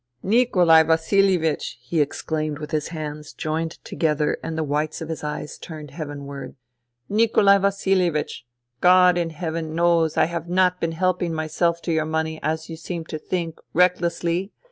" Nikolai Vasil ievich 1 " he exclaimed with his hands joined together and the whites of his eyes turned heavenward. " Nikolai Vasilievich ! God in Heaven knows I have not been helping myself to your money, as you seem to think, recklessly.